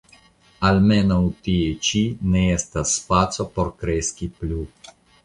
Almenaŭ tie ĉi ne estas spaco por kreski plu.